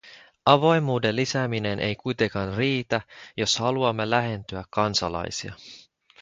Avoimuuden lisääminen ei kuitenkaan riitä, jos haluamme lähentyä kansalaisia.